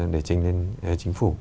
để trình lên chính phủ